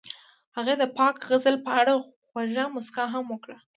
هغې د پاک غزل په اړه خوږه موسکا هم وکړه.